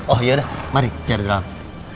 oh yaudah mari cari drum